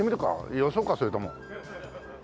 よそうかそれとも。